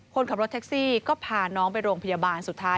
คนขับรถแท็กซี่ก็พาน้องไปโรงพยาบาลสุดท้าย